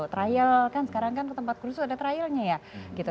trial kan sekarang kan ke tempat khusus ada trialnya ya gitu